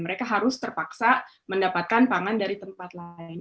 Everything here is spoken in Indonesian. mereka harus terpaksa mendapatkan pangan dari tempat lain